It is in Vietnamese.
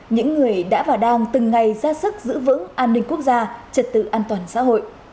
những người đã và đang từng ngày ra sức giữ vững an ninh quốc gia trật tự an toàn xã hội